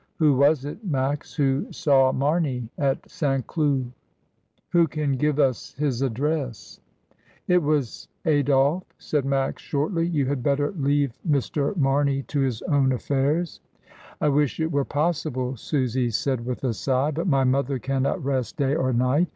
"Who was it. Max, who saw Marney at St. Cloud? Who can give us his ad dress?" 12* l8o MRS. DYMOND. "It was Adolphe," said Max, shortly. "You had better leave Mr. Mamey to his own affairs." "I wish it were possible," Susy said with a sigh; "but my mother cannot rest day or night.